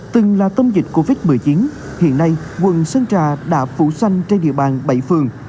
từng là tâm dịch covid một mươi chín hiện nay quận sơn trà đã phủ xanh trên địa bàn bảy phường